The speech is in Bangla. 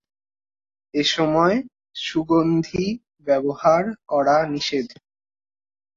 এসময় সুগন্ধি ব্যবহার করা নিষেধ।